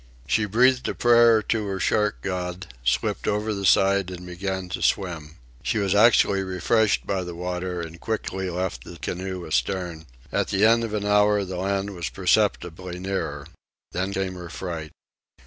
She breathed a prayer to her shark god, slipped over the side, and began to swim. She was actually refreshed by the water, and quickly left the canoe astern. At the end of an hour the land was perceptibly nearer. Then came her fright.